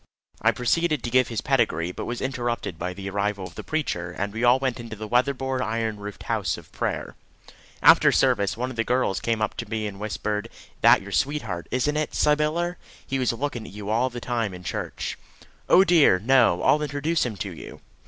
I proceeded to give his pedigree, but was interrupted by the arrival of the preacher, and we all went into the weatherboard iron roofed house of prayer. After service, one of the girls came up to me and whispered, "that is your sweetheart, isn't it, Sybyller? He was looking at you all the time in church." "Oh dear, no! I'll introduce him to you."